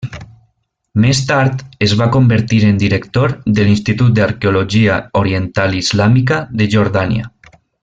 Més tard es va convertir en director de l'Institut d'Arqueologia Oriental Islàmica de Jordània.